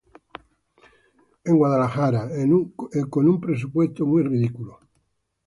Fue filmado en Los Ángeles, California, en un presupuesto muy reducido.